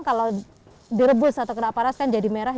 kalau direbus atau kena panas kan jadi merah